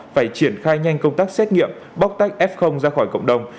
phải triển khai nhanh công tác xét nghiệm bóc tách f ra khỏi cộng đồng